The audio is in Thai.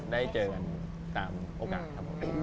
ได้เจอกันตามโอกาสครับผม